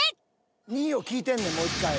２位を聞いてんねんもう１回。